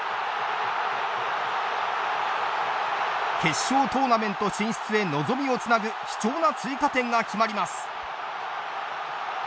決勝トーナメント進出へ望みをつなぐ貴重な追加点が決まります。